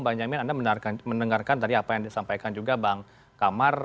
bang jamin anda mendengarkan tadi apa yang disampaikan juga bang kamar